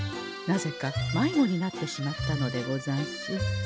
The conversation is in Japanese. なぜか迷子になってしまったのでござんす。